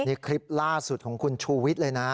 นี่คลิปล่าสุดของคุณชูวิทย์เลยนะ